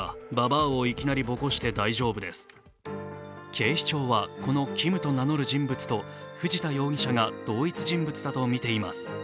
警視庁はこのＫｉｍと名乗る人物と藤田容疑者が同一人物だとみています。